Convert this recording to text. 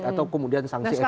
atau kemudian sanksi ekonomi